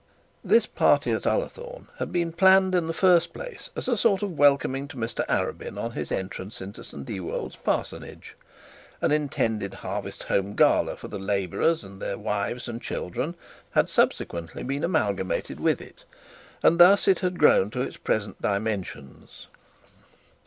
This party at Ullathorne had been planned in the first place as a sort of welcoming to Mr Arabin on his entrance into St Ewold's parsonage; an intended harvest home gala for the labourers and their wives and children had subsequently been amalgamated with it, and thus it had grown into its present dimensions.